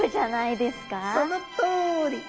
そのとおり！